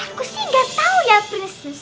aku sih nggak tahu ya prinses